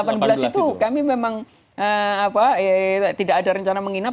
tanggal delapan belas itu kami memang tidak ada rencana menginap